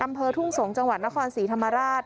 อำเภอทุ่งสงศ์จังหวัดนครศรีธรรมราช